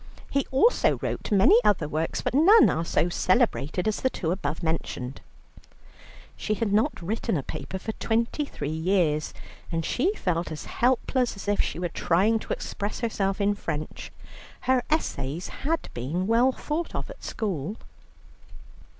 He also wrote many other works, but none are so celebrated as the two above mentioned." She had not written a paper for twenty three years, and she felt as helpless as if she were trying to express herself in French. Her essays had been well thought of at school.